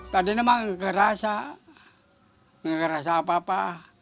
tadi memang ngerasa ngerasa apa apa